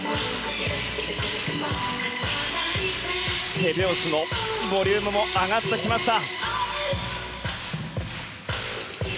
手拍子のボリュームも上がってきました。